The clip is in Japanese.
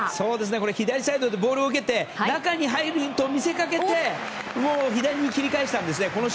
これ左サイドでボールを受けて中に入ると見せかけて左に切り返したんですね。